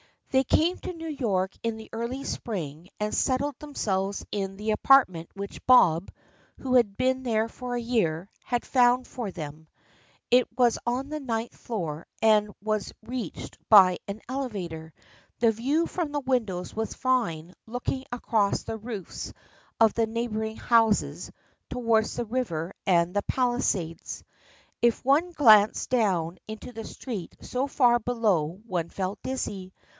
They came to New York in the early spring and settled themselves in the apartment which Bob, who had been there for a year, had found for them. It was on the ninth floor and was reached by an elevator. The view from the windows was fine looking across the roofs of the neighboring houses towards the river and the Palisades. If one glanced down into the street so far below one felt dizzy.